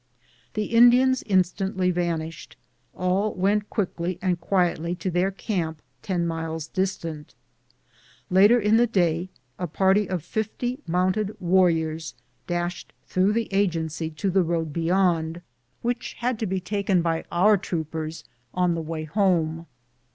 The Indians instantly vanished ; all went quickly and quietly to their camp, ten miles distant. Later in the day a party of fifty mounted warriors dashed through the Agency to the road beyond, which had to be taken by our troopers on the way Lome.